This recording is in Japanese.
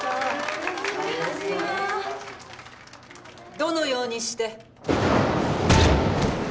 ・どのようにして？